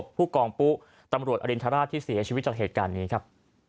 ผู้กองปุ๊ตำรวจอรินทราชที่เสียชีวิตจากเหตุการณ์นี้ครับ